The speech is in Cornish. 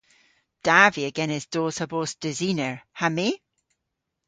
Da via genes dos ha bos desiner. Ha my?